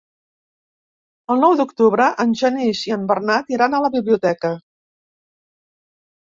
El nou d'octubre en Genís i en Bernat iran a la biblioteca.